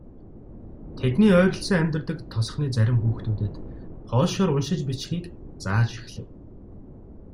Тэдний ойролцоо амьдардаг тосгоны зарим хүүхдүүдэд польшоор уншиж бичихийг зааж эхлэв.